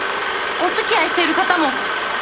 おつきあいしている方も！